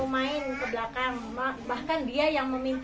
jadi di belakang tuh banyaknya ibu ibu